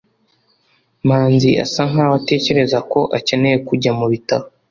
manzi asa nkaho atekereza ko akeneye kujya mubitaro